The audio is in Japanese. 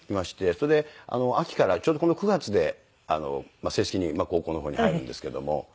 それで秋からちょうどこの９月で正式に高校の方に入るんですけれども。